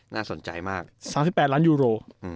น่าสนใจมาก๓๘ล้านยูโร